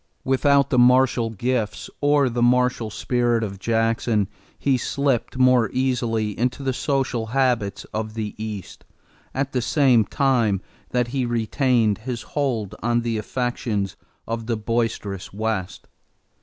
Without the martial gifts or the martial spirit of Jackson, he slipped more easily into the social habits of the East at the same time that he retained his hold on the affections of the boisterous West.